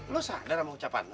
lu sadar sama ucapan lu